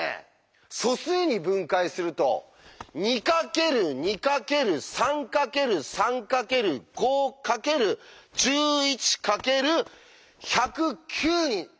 素数に分解すると２×２×３×３×５×１１×１０９になります。